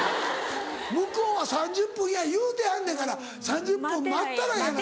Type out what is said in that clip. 向こうは３０分や言うてはんねんから３０分待ったらええやないか。